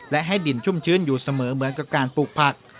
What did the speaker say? และให้ดินชุ่มชื้นอยู่เสมอเหมือนกับการปลูกผัก